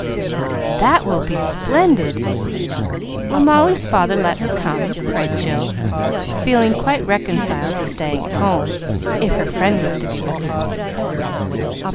"That will be splendid! Will Molly's father let her come?" cried Jill, feeling quite reconciled to staying at home, if her friend was to be with her.